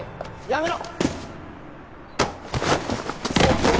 やめろ！